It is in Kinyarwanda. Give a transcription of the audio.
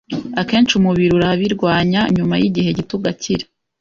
akenshi umubiri urabirwanya nyuma y’igihe gito ugakira